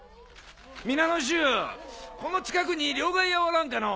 皆の衆この近くに両替屋はおらんかの？